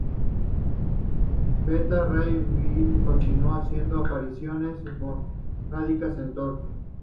Beta Ray Bill continuó haciendo apariciones esporádicamente en Thor.